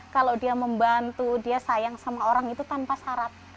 kalau dia membantu dia sayang sama orang itu tanpa syarat